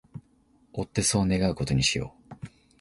追ってそう願う事にしよう